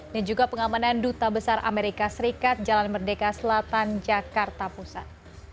dan juga pengamanan duta besar amerika serikat jalan merdeka selatan jakarta pusat